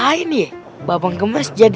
habis itu saya merasa rindu